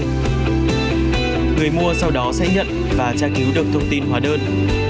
người mua sau đó sẽ nhận và tra cứu được thông tin hóa đơn